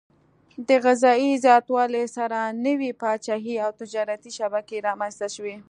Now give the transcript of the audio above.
د غذايي زیاتوالي سره نوي پاچاهي او تجارتي شبکې رامنځته شوې.